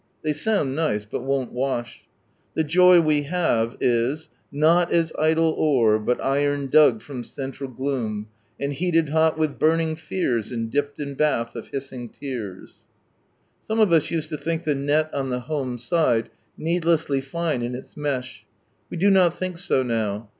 They sound nice, but won't wash. The joy we have, is '' Not as idle ore, bill iron Jiig from cinlral gloom And healed hol with burning fears, and dipped in both of kisiiiig liars." Some of us used to think the net on the hnme side needlessly tine in its mesh, we do not think so now.